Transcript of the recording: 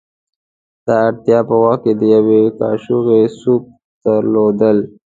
د اړتیا په وخت کې د یوې کاشوغې سوپ درلودل.